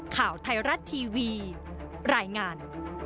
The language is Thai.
ข่าวไทยรัฐทีวีรายงาน